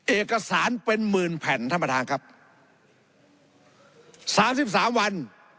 เอกสารเป็นหมื่นแผ่นท่านประธานครับสามสิบสามวัน